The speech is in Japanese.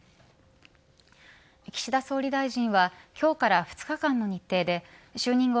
岸田総理大臣は今日から２日間の日程で就任後